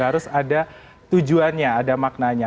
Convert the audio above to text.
harus ada tujuannya ada maknanya